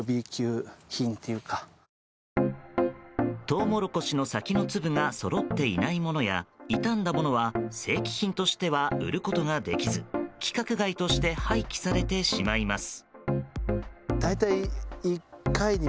トウモロコシの先の粒がそろっていないものや傷んだものは、正規品としては売ることができず規格外として廃棄されてしまいます。